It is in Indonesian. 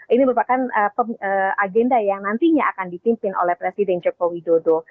ini merupakan agenda yang nantinya akan dipimpin oleh presiden joko widodo